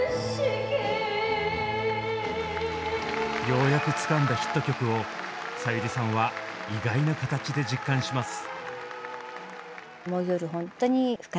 ようやくつかんだヒット曲をさゆりさんは意外な形で実感します。